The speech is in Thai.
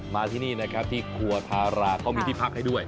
มาที่นี่นะครับที่ครัวทาราเขามีที่พักให้ด้วย